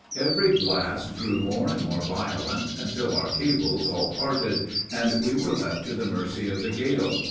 Every blast grew more and more violent until our cables all parted, and we were left to the mercy of the gale.